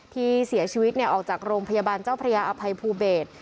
ที่เสียชีวิตออกจากโรงพยาบาลเจ้าพระยาอภัยภูเบศ